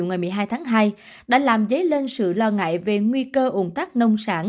ngày một mươi hai tháng hai đã làm dấy lên sự lo ngại về nguy cơ ủng tắc nông sản